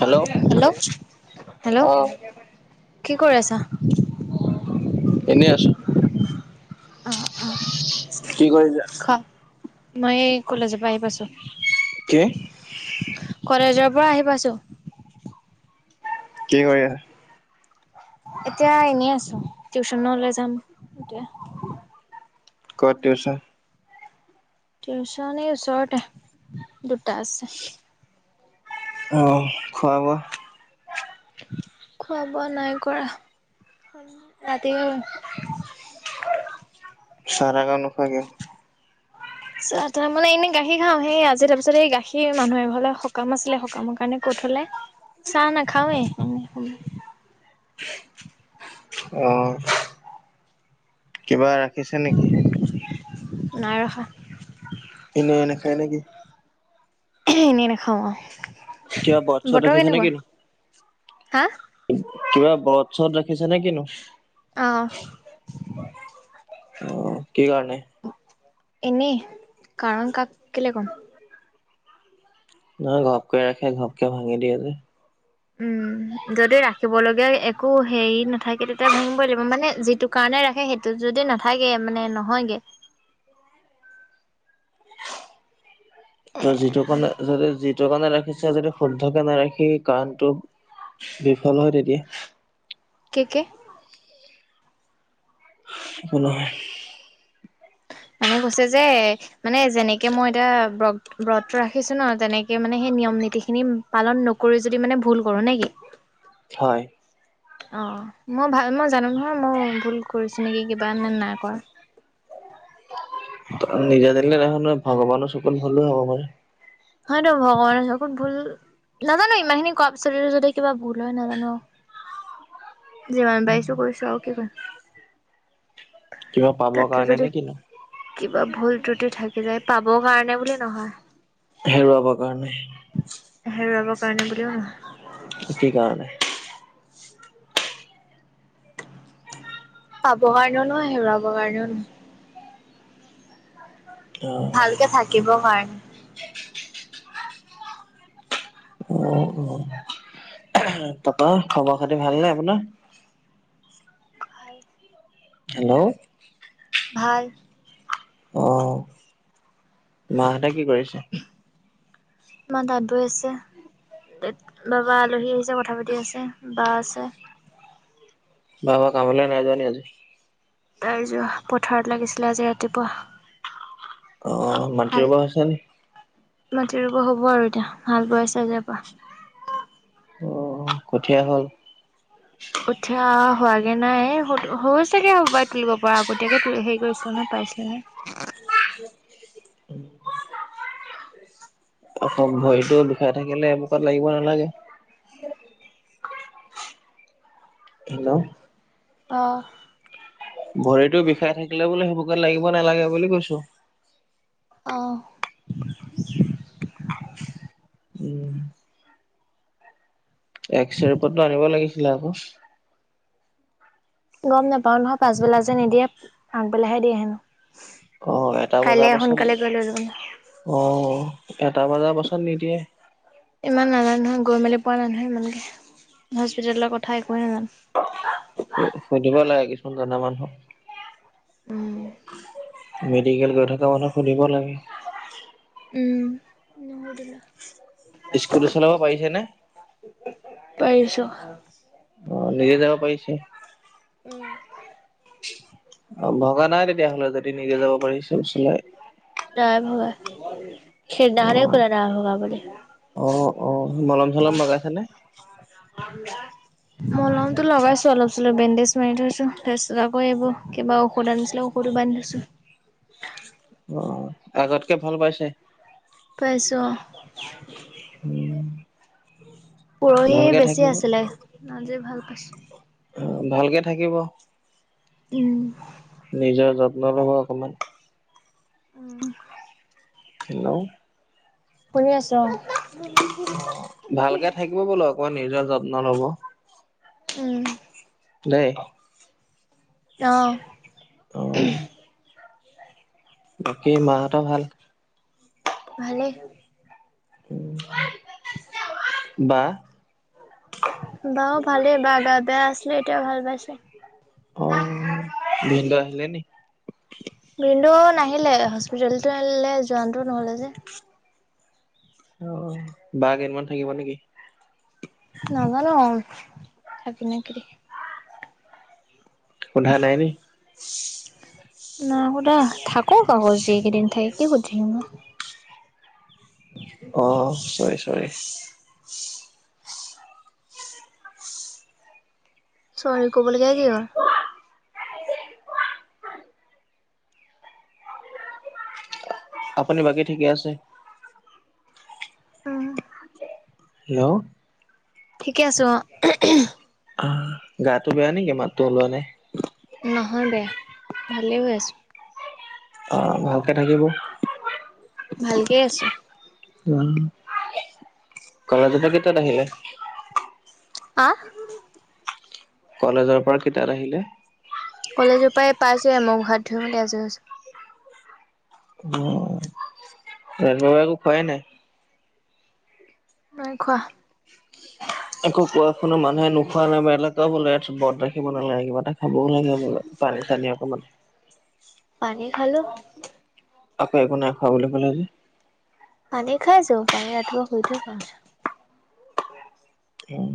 Hello hello. অ কি কৰি আছা? এনেই আছো অ অ কি কৰিছা? খ মই কলেজৰ পৰা আহি পাইছো কি? কলেজৰ পৰা আহি পাইছোঁ। কি কৰি? এতিয়া এনেই আছো। টিউচনলৈ যাম এতিয়া। ক'ত? টিউচন ওচৰতে দুটা আছে। অ খোৱা-বোৱা খোৱা বোৱা নাই কৰা ৰাতি। [unintelligible] [unintelligible] [unintelligible] তাৰ মানে এনেই গাখীৰ খাওঁ। সেই আজি তাৰপিছত এই গাখীৰ মানুহ এ ঘৰলে সকাম আছিলে সকামৰ কাৰণে ক'ত উম চাহ নাখাওঁ এনে। অ'। কিবা ৰাখিছে নেকি? নাই ৰাখা। এনেই নাখায় নেকি? নেনে খ [unintelligible] [unintelligible] কিবা বথ চত ৰাখিছে নেকি? হা কিবা বথ চত ৰাখিছে নে কিনো? আহ। আহ কি কাৰণে? এনেই কাৰণ কাক কেলে ক'ম? নহ ঘপকৈ ৰাখে ঘপকে ভাঙি দিয়ে যে। উম। যদি ৰাখিব লগগীয়া একো হেৰি নাথাকে তেতিয়া ভাঙিবই লাগিব মানে যিটো কাৰণে ৰাখে সেইটো যদি নাথাকে মানে নহয়গে। ত যিটো কাৰণে যদি যিটো কাৰণে ৰাখিছে যদি শুদ্ধকে নাৰাখি কাৰণটো বিফল হয় তেতিয়া। কেকে একো নহয়। মানে কৈছে যে মানে যেনেকে মই এতিয়া ব্ৰত ব্ৰত ৰাখিছো ন তেনেকে মানে সেই নিয়ম নীতি খিনি পালন নকৰি যদি মানে ভুল কৰো নে কি! হয়। অ মই ভাল মই জানো নহয় মই ভুল কৰিছো নেকি কিবা এ নাই কৰা নিজে জিলে দেখ ভগৱানৰ চকোন ভালে হ'ব পাৰে। হয় ন ভগৱানে য ভুল [unintelligible] নাজানো ইমান খিনি কোৱাৰ পিছত যদি কিবা ভুল হয় নাজানো। যিমান পাৰিছো কৰিছো আৰু কিমান কিবা তা, পাবৰ তে কাৰণে যদি নে কিনো? কিবা ভুল দুইটো থাকিলে পাবৰ কাৰণে বুলি নহয়। হেৰুৱাব ৰ কাৰণে হেৰুৱাব কাৰণে বুলিও নহ কি কাৰণে পাব কাৰণেও নহ হে উৰাব কাৰণেও নহয়। অ', ভালকে থাকিব কাৰণে। অ, তাপৰা খবৰ খাতি ভাল নে আপোনাৰ? হেল্ল', ভাল অহ, মাহতে কি কৰিছে। মা তাত বৈ আছে। বাবা আলহী আহিছে কথা পাতি আছে বা আছে। বাবা কামলে নাই যোৱাানি আজি। নাই যোৱা পথাৰত লাগিছিল আজি ৰাতিপুৱা অ, হাল মাটিব হৈছে নে। মাটি ৰুব হ'ব আৰু এতিয়া হাল বোৱাইছে যেনেবা অ', কঠীয়া হ'ল? কঠিয়া হোৱাগে নাই হৈছোগে বাই তুলিব পৰা আগতীয়াকে ত হেৰি কৰিছিল নয় পাইছিলে নহয়। উ [unintelligible] অক ভৰিটো দুখাই থাকিলেোকত লাগিব নালাগে। হেল্ল', অ', ভৰিতো বিষাই থাকিলে বোলে সেইবোৰকত লাগিব নালাগে বুলি কৈছো অ' উম, এক্সে ৰিপৰ্ট টো আনিব লাগিছিলে আকৌ। গম নাপাও নহয় পাছবেলা যে নিদিয়ে আগবেলাাহে দিয়ে হেনো। অ, এটা কাইলে বজাৰ সোনকালে গৈ লৈ ল'ব ন পাছত অ, এটা বজাৰ পাছত নিদিয়ে ইমান নাজানো নহয় গৈ মেলি পোৱা নাই নহয় ইমানৈকে হস্পিতেলৰ কথা একোৱেইে নাজানো। সুধিব লাগে কিছুমান জনা মানুহক উম। মেডিকেল গৈ থকা মানুহক সুধিব লাগে। উম, নুসুধিলোঁ। স্কুটী চলাব পাৰিছে নে। পাইছো। অ, নিজে যাব পাৰিছে। উম, অ', ভগা নাই তেতিয়াহ'লে, যদি নিজে যাব পাৰিছে স্কুটি চলাই অ', খেৰ অ নাহান খলা ন হা বুলিলে অ অ মলম চলম ভ লগাইছে নে? আ [unintelligible] মলম টো লগাইছো অলপ চলপ বেণ্ডেজ মাৰি থৈছো তাৰপিছত আকৌ এইবোৰ কিবা ঔষধ আনিছিলো ঔষধ বান্ধছো অ আগতকে ভাল পাইছে। পাইছো, অ,। উম পৰহি ভালকে বেছি থাকিব আছিলে আজি ভাল। আছে। অ ভালকে থাকিব। উম। নিজৰ যত্ন ল'ব অকমাণ। উম। হেল্লো'। পঢ়ি আছো, অ,। ভালকে থাকিব বোলো অকমান নিজৰ যত্ন ল'ব। উম। দেই। অহ। অহ বাকী মাহঁত ভাল। ভালে। উম। বা বাও ভালে, বা গা বেয়া আছিলে, এতিয়াও ভাল পাইছে। অ ভিন্দ আহিলে নেকি? ভিন্দু নাহিলে। হস্পিতেলতলো যোৱানটো নহ'লে যে। অ, বা কেইদিনমান থাকিব নেকি? নাজানো থাকি নেকি কি তাক। সোধা নাইনি। নাই কতা থাকো ক'বলৈ। অ চৰি চৰি। চৰি ক'বলগীয়া কি অ। আপুনি বাকী ঠিকে আছে। উম। হেল্লো'। ঠিকে আছো, অ,। গাটো বেয়া নেকি? মাততো ওলোৱা নাই? নহয় বেয়া ভালে হৈ আছো। ভালকে থাকিব। ভালকে আছো। [unintelligible] আহ। কলেজৰ পৰা কেইটাত আহিলে। কলেজ পৰা পাইছোৱে মোক হাত ধূই মানে আজোৰি হৈছো। উম, ৰাতিপুৱাৰ পৰা একো খুৱাই নাই। নাই খোৱা। আকৌ কোৱা শুনো মানুহে নোখোৱা বেমাৰৰ তই বোলে ইয়াত ব্ৰত ৰাখিব নালাগে। কিবা এটা খাবও লাগে। পানী, চানি অকমান। পানী খালো। আকৌ একো নাই খোৱা বুলি ক'লে যে পানী খাইছো পানী ৰাতিপুৱা শুই উঠি খাওঁ। উম।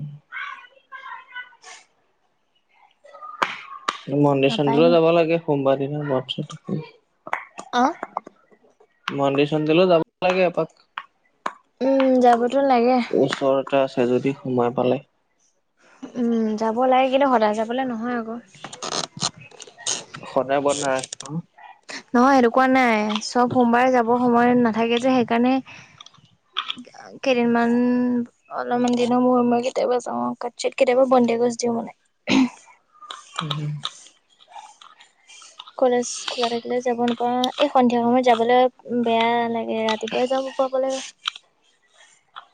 মন্দিৰ নাপায় চন্দিৰো নি যাব লাগে সোমবাৰ দিনা ব্ৰত ৰাখিব লাগে। অ', মন্দিৰ চন্দিৰলৌ যাব লাগে এপাক। উম, যাবতো লাগে। তই যদি সোনা পালে উম, যাব লাগে, কিন্তু সদায় যাবলে নহয় আকৌ। সদায় বন্ধ নাৰাখে ন। নহয় সেতোকুৱা নাই, চব সোমবাৰে যাব সময় নাথাকে যে, সেইকাৰণে কেইদিনমান অলপমান দিনৰ মূৰত মাজতে এবাৰ যাওঁ, তাৰপিছত কেতিয়াবা বন্ধই [unintelligible] দিওঁ মানে। উম, কলেজ খোলা থাকিলে যাব নাপাওঁ, এই সন্ধিয়া সময়ত যাবলৈ বেয়া লাগে, ৰাতিপুৱাই যা -ব লাগে। [unintelligible]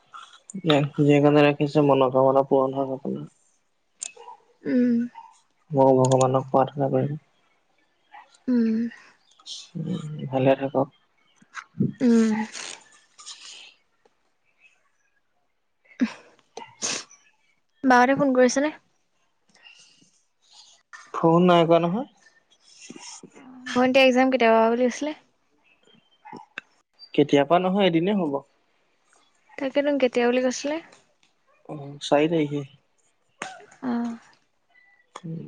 [unintelligible] ৰাখিছে মনোকামনা পূৰণ হওক [unintelligible] উম। মই ভগৱানক প্ৰাৰ্থনা কৰিম। উম। উম, ভালে থাকক। উম। বাহঁতে ফোন কৰিছেনে? ফোন নাই কৰা নহয়। এগজাম কেতিয়া পৰা আছিলে? কেতিয়াবা নহয়, এদিনেই হ'ব। [unintelligible] কেতিয়া বুলি কৈছিলে? অ', চাৰি তাৰিখে। অ', উম।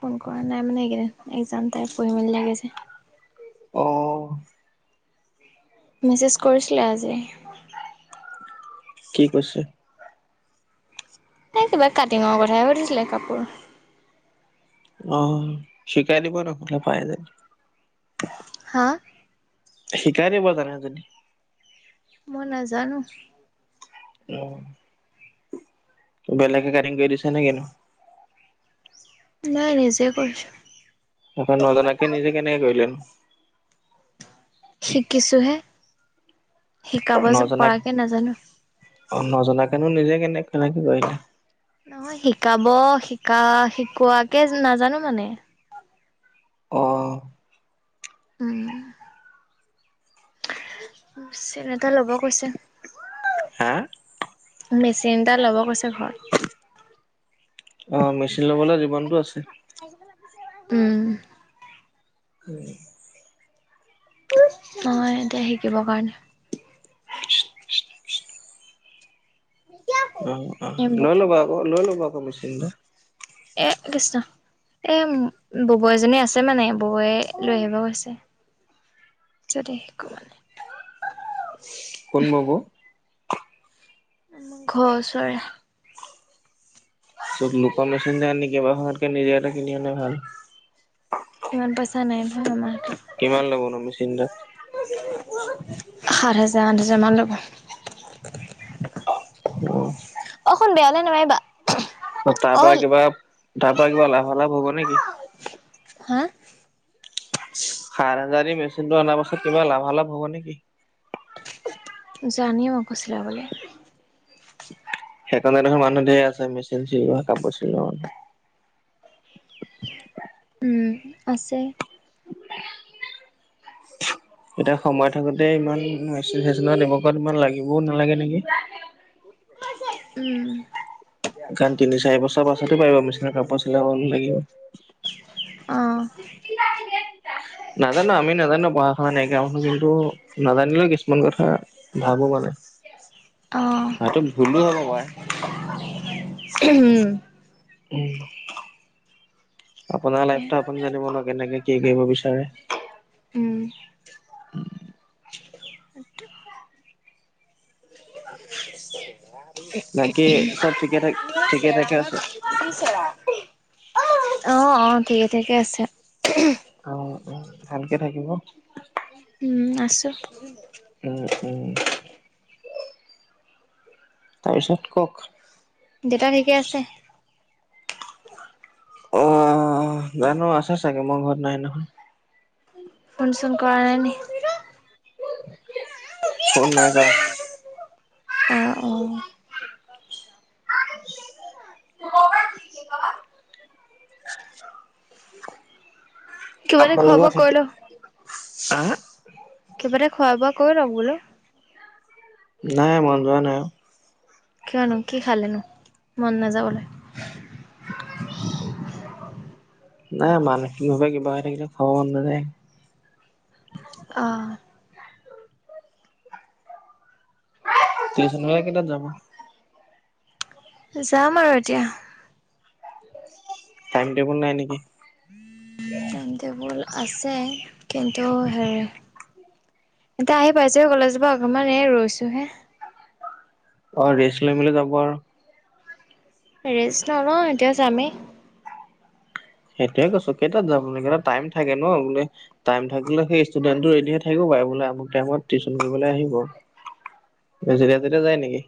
ফোন কৰা নাই মানে এইকেইদিন, এগজাম তাইম পঢ়িবলৈ লাগে যে। অ', মেছেজ কৰিছিলে আজি। কি কৈছে? এই কিবা কাটিঙৰ কথাই সুধিছিলে কাপোৰ। অ', শিকাই দিব নহ'লে, পাৰে যদি হা? শিকাই দিব জানে যদি। মই নাজানো। অ', বেলেগে কাটিং কৰি দিছে নে? [unintelligible] নাই, নিজেই কৰিছোঁ। সেইখন নজনাকে নিজে কেনেকে কৰিলেনো? শিকিছোহে, শিকাব নজনাক পৰাকে নাজানো। নজনাকেনো নিজে কেনেক, কেনেক কৰিলে? নহয়, শিকাব শিকা শিকোৱাকে নাজানো মানে। অ'। উম, মেচিন এটা ল'ব কৈছে। হা? মেচিন এটা ল'ব কৈছে ঘৰত। অ', মেচিন ল'বলৈ জীৱনটো আছে। উম, উম। অ এতিয়া শিকিবৰ কাৰণে অ, অ, লৈ ল'বা আকৌ লৈ ল'বা আকৌ মেচিন এটা। এ কৃষ্ণ এ ববৈ এজনী আছে মানে বৈয়ে লৈ আহিব গৈছে। যদি শিকো মানে। কোন বাব ঘৰ ওচৰে। ত, লোকৰ মেচিন আনি কেইবাখনতকে নিজে এটা কিনি অনাই ভাল ইমান পইচা নাই নহয় আমাৰ হাতত কিমান ল'ব ন মেচিনটো সাত হাজাৰ আঠ হাজাৰ মান লব। অ', সোন বেয়ালে নামাইবা তাৰ পৰা কিবা তাৰ পৰা কিবা লাভালাভ হব নেকি? হাঁ সাত হাজাৰ মেচিনটো অনাৰ পাছত কিবা লাভালাভ হব নেকি। জানি ও আকৌ চিলাবলে। সেইকাৰণে দেখোন মানুহ ধেই আছে মেচিন চিলোৱা কাপোৰ চিলোৱা মানুহ। উম, আছে। এতিয়া সময় থাকোতে ইমান মেচিন চেচিনত এইবোৰ কৰাত মান লাগিবও নালাগে নেকি। উম, কাৰণ তিনি চাৰি বছৰ পাছতো পাৰিব মেচিনত কাপোৰ চিলাব লাগিব। অ [unintelligible] [inaudible] নাজানো আমি নাজানো পঢ়া শুনা নাইকিয়া মানুহ কিন্তু নাজানিলেও কিছুমান কথা ভাবো মানে অ হয়টো ভুলো হ'ব পাৰে। উম, আপোনাৰ তাকে লাইফটো আপুনি জানিব ন কেনেকে কি কৰিব বিচাৰে। উম, টোটো [inaudible] অ', থাক এইবিলাক ঠিকে চেৰা থাকে আছে মই কি চেৰা অ - অ ঠিকে - ঠিকে আছে। অ, উম, ভালকে থাকিব। উম আছো। উম উম তাৰপিছত কওক দেউতা ঠিকে আছে। অ, জানো আছো চাগে মই ঘৰত নাই নহয়। ফোন চোন কৰা নাই নি ফোন নাই কৰা। অহ, অ, [unintelligible] [inaudible] কিবা এটা খোৱা আপোনালোকৰ বোৱা ঠিকে কৈল আহ কৈ লক বোলো নাই মন যোৱা নাই অ, কিয়নো কি খালেনো মন নাযাবলৈ নাই মানসিকভাৱে কিবা হৈ থাকিলে খাব মন নাযায় আহ টিউচনলে কেইটাত যাব যাম আৰু এতিয়া। টাইম টেবুল নাই নেকি? টাইম টেবুল আছে, কিন্তু হেৰি এতিয়া আহি পাইছো হে কলেজৰ পৰা অকণমান ৰৈছোহে। অ ৰেষ্ট লৈ মেলি যাব আৰু। ৰেছ নলও এতিয়া যামে। সেইটোয়ে কৈছো কেইটাত যাম টাইম থাকে নো টাইম থাকিলে সেই ষ্টুডেন্টটো ৰেডিহে থাকিব বোলে আমুক টাইমত টিউচন কৰিবলৈ আহিব। জৰিয়াজৰে যায় নেকি?